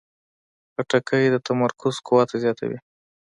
خټکی د تمرکز قوت زیاتوي.